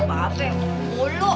mbak be lo